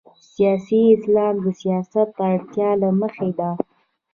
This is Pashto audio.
سیاسي اسلام د سیاست اړتیا له مخې ده.